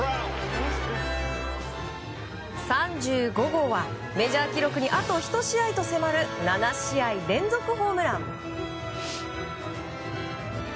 ３５号はメジャー記録にあと１試合と迫る７試合連続ホームラン。